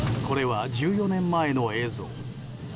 これは、１４年前の映像。